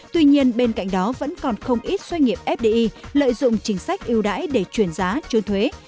tuy nhiên bên cạnh đó vẫn còn không ít doanh nghiệp fdi lợi dụng chính sách yêu đãi để chuyển giá trốn thuế